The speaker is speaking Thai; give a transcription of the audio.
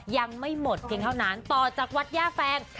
ยังไม่หมดเพียงเท่านั้นต่อจากวัดย่าแฟง